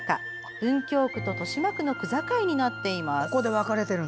文京区と豊島区の区境になっています。